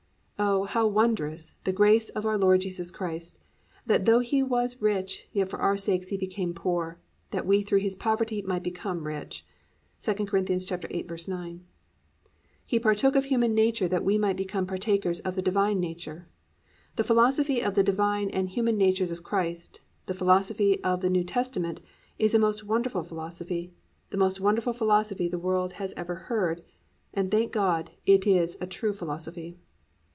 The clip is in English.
Oh, how wondrous the +"Grace of our Lord Jesus Christ, that though He was rich yet for our sakes He became poor, that we through his poverty might become rich."+ (2 Cor. 8:9.) He partook of human nature that we might become partakers of the Divine nature. The philosophy of the divine and human natures of Christ, the philosophy of the New Testament, is a most wonderful philosophy, the most wonderful philosophy the world ever heard, and thank God it is a true philosophy.